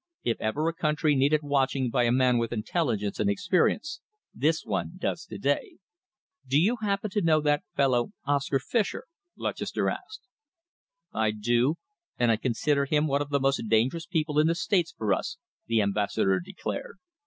"If ever a country needed watching by a man with intelligence and experience, this one does to day." "Do you happen to know that fellow Oscar Fischer?" Lutchester asked. "I do, and I consider him one of the most dangerous people in the States for us," the Ambassador declared.